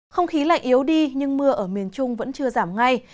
không khí lạnh yếu đi nhưng mưa ở miền trung vẫn chưa giảm ngay